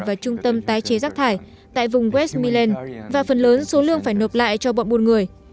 và trung tâm tái chế rác thải tại vùng west miland và phần lớn số lương phải nộp lại cho bọn buôn người